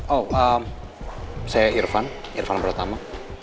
oh saya irfan irfan pratama